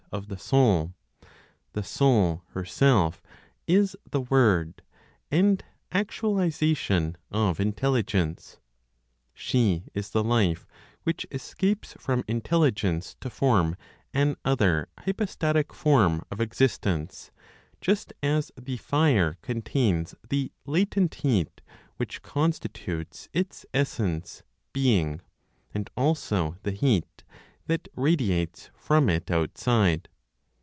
of the soul, the Soul herself is the word and actualization of Intelligence. She is the life which escapes from Intelligence to form another hypostatic form of existence, just as the fire contains the latent heat which constitutes its essence ("being"), and also the heat that radiates from it outside.